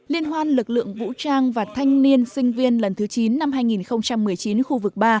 liên hoan lực lượng vũ trang và thanh niên sinh viên lần thứ chín năm hai nghìn một mươi chín khu vực ba